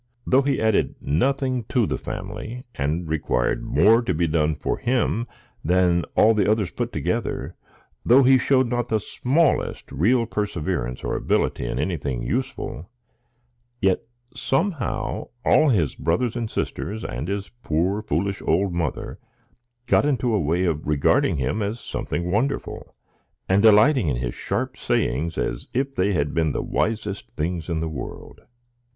Though he added nothing to the family, and required more to be done for him than all the others put together,—though he showed not the smallest real perseverance or ability in anything useful,—yet somehow all his brothers and sisters, and his poor foolish old mother, got into a way of regarding him as something wonderful, and delighting in his sharp sayings as if they had been the wisest things in the world.